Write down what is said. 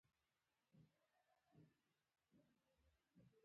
دوی ته چې کله سړي په لاس ورسي سمدلاسه یې وژلو ته لېږي.